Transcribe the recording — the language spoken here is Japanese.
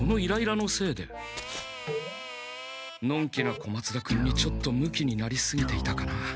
のんきな小松田君にちょっとムキになりすぎていたかな？